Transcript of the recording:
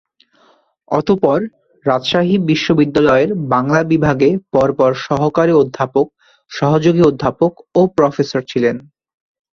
অতঃপর রাজশাহী বিশ্ববিদ্যালয়ের বাংলা বিভাগে পরপর সহকারী অধ্যাপক, সহযোগী অধ্যাপক ও প্রফেসর ছিলেন।